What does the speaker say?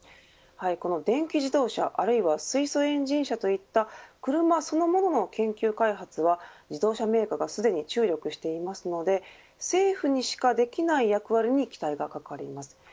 電気自動車あるいは水素エンジン車といった車そのものの研究開発は自動車メーカーがすでに注力していますので政府にしかできない役割に期待がかかります。